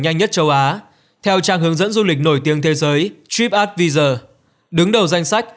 nhanh nhất châu á theo trang hướng dẫn du lịch nổi tiếng thế giới tripadvisor đứng đầu danh sách